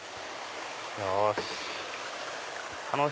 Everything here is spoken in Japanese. よし！